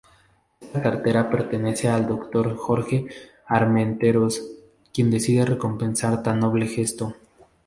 Esta cartera pertenece al doctor Jorge Armenteros, quien decide recompensar tan noble gesto.